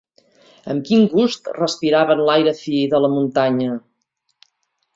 Amb quin gust respiraven l'aire fi de la muntanya